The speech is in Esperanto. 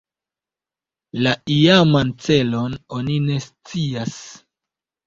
La iaman celon oni ne scias.